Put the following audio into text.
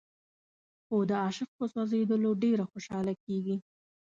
خو د عاشق په سوځېدلو ډېره خوشاله کېږي.